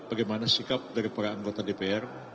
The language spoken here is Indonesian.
apa yang dianggap dari para anggota dpr